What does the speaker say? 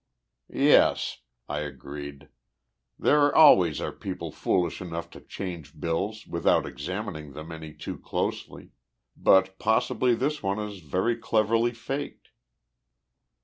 "Yes," I agreed, "there always are people foolish enough to change bills without examining them any too closely. But possibly this one is very cleverly faked."